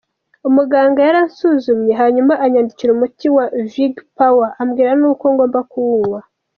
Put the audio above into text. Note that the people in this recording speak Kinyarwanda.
Umuganga yaransuzumye, hanyuma anyandikira umuti wa Vigpower, ambwira n’uko ngomba kuwunywa.